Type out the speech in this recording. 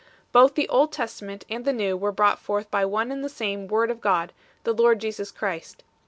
Both the Old Testament and the New were brought forth by one and the same Word of God, the Lord Jesus Christ.